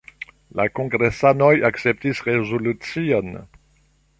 La kongresanoj akceptis rezolucion.